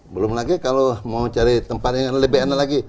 belum lagi kalau mau cari tempat yang lebih enak lagi